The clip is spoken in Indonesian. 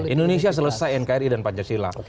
indonesia selesai nkri dan pancasila